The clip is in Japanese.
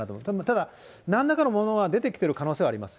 ただ、なんらかのものは出てきてる可能性があります。